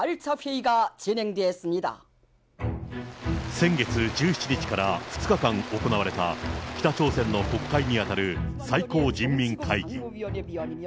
先月１７日から２日間行われた、北朝鮮の国会に当たる最高人民会議。